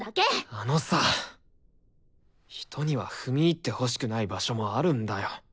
あのさ人には踏み入ってほしくない場所もあるんだよ。